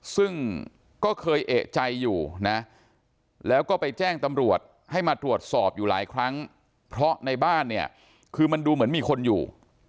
ซึ่งก็เคยเอกใจอยู่นะแล้วก็ไปแจ้งตำรวจให้มาตรวจสอบอยู่หลายครั้งเพราะในบ้านเนี่ยคือมันดูเหมือนมีคนอยู่